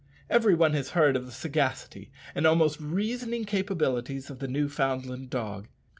Every one has heard of the sagacity and almost reasoning capabilities of the Newfoundland dog.